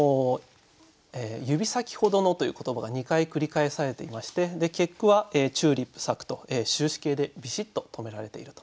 「指先ほどの」という言葉が２回繰り返されていまして結句は「チューリップ咲く」と終止形でビシッと止められていると。